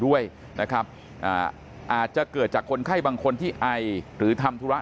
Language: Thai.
ด้วยนะครับอ่าอาจจะเกิดจากคนไข้บางคนที่ไอหรือทำธุระ